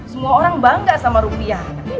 semua orang bangga sama rupiah